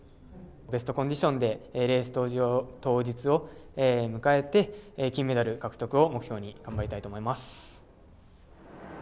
ベストコンディションでレース当日を迎えて金メダル獲得を目標に頑張りたいと思います。